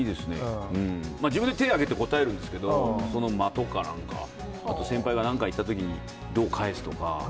自分で手挙げて答えるんですけど、その間とかなんか、先輩がなんか言ったときにどう返すとか。